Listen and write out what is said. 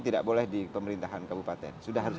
tidak boleh di pemerintahan kabupaten sudah harus